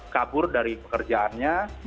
kabur dari pekerjaannya